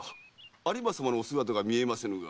有馬様のお姿が見えませぬが？